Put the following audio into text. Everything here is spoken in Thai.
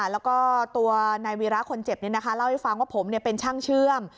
แล้วก็ตัวนายวีระคนเจ็บเนี่ยนะคะเล่าให้ฟังว่าผมเนี่ยเป็นช่างเชื่อม